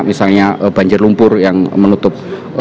misalnya banjir lumpur yang menutup